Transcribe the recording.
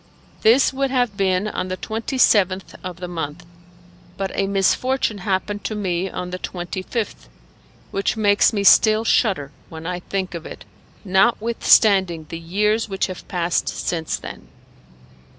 This would have been on the twenty seventh of the month, but a misfortune happened to me on the twenty fifth which makes me still shudder when I think of it, notwithstanding the years which have passed since then.